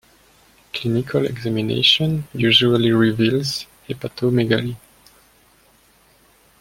Clinical examination usually reveals hepatomegaly.